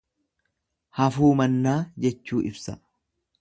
Hafuu mannaa jechuu ibsa.